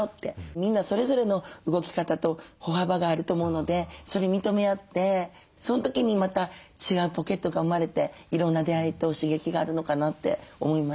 みんなそれぞれの動き方と歩幅があると思うのでそれ認め合ってその時にまた違うポケットが生まれていろんな出会いと刺激があるのかなって思いましたね。